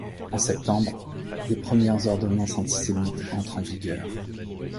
En septembre, les premières ordonnances antisémites entrent en vigueur.